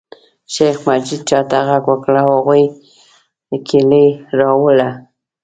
شیخ مجید چاته غږ وکړ او هغوی کیلي راوړله.